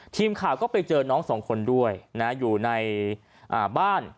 ทีมข่าวก็ไปเจอน้องสองคนด้วยนะอยู่ในบ้าน